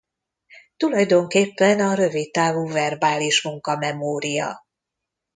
Tulajdonképpen a rövid távú verbális munkamemória.